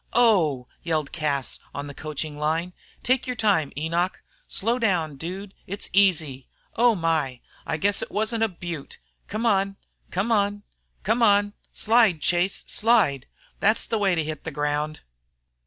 "Oh h!" yelled Cas, on the coaching line. "Take your time, Enoch. Slow down, Dude, it's easy. Oh, my! I guess it wasn't a beaut. Come on! Come on! Come on! Slide, Chase, slide. That's the way to hit the ground."